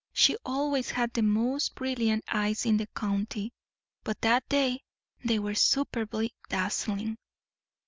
She always had the most brilliant eyes in the county, but that day they were superbly dazzling.